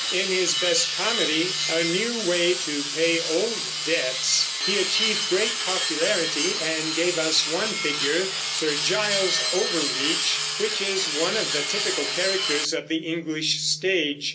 In his best comedy, A New Way to Pay Old Debts, he achieved great popularity and gave us one figure, Sir Giles Overreach, which is one of the typical characters of the English stage.